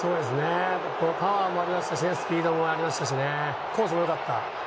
パワーもスピードもありましたしコースも良かった。